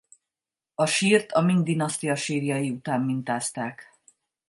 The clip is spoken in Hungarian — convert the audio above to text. A sírt a Ming-dinasztia sírjai után mintázták.